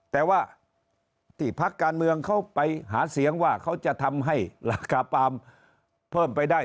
แต่ว่าที่พักการเมืองเขาไปหาเสียงว่าเขาจะทำให้ราคาปาล์มเพิ่มไปได้